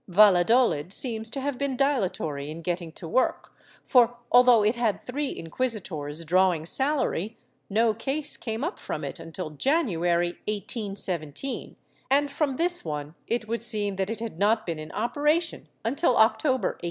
Valladolid seems to have been dilatory in getting to work for, although it had three inquisitors drawing salary, no case came up from it until January, 1817, and, from this one it would seem that it had not been in operation until October, 1816."